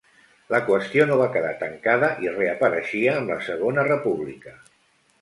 La qüestió no va quedar tancada i reapareixia amb la segona República.